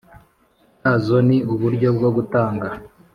yazo Ni uburyo bwo gutanga